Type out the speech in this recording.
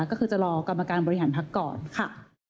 ก็คือจะรอกรรมการบริหารพักก่อนค่ะ